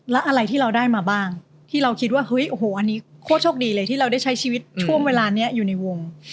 แล้วอะไรที่เราได้มาบ้างที่เราคิดว่าเฮ้ยโอ้โหอันนี้โคตรโชคดีเลยที่เราได้ใช้ชีวิตช่วงเวลานี้อยู่ในวง